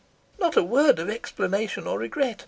"Not a word of explanation or regret.